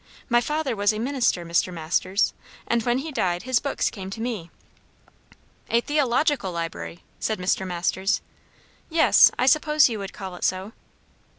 "My father was a minister, Mr. Masters; and when he died his books came to me." "A theological library!" said Mr. Masters. "Yes. I suppose you would call it so."